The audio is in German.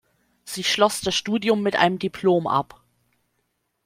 Sie schloss das Studium mit einem Diplom ab.